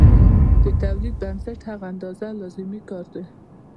د تولید بنسټ هغه اندازه لازمي کار دی